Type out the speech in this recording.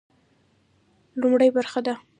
لومړۍ برخه ده.